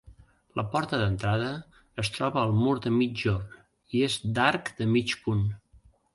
La porta d'entrada es troba al mur de migjorn i és d'arc de mig punt.